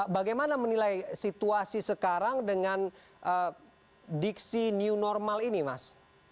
bagaimana menilai situasi sekarang dengan diksi new normal ini mas